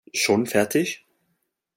Schon fertig?